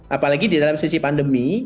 apalagi di dalam sisi pandemi